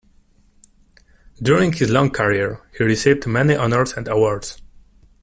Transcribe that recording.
During his long career, he received many honours and awards.